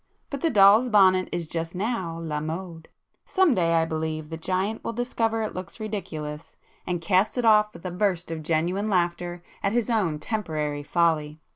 But the doll's bonnet is just now la mode. Some day I believe the Giant will discover it looks ridiculous, and cast it off with a burst of genuine laughter at his own temporary folly.